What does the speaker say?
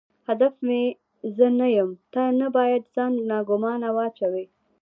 هدف مې زه نه یم، ته نه باید ځان ناګومانه واچوې.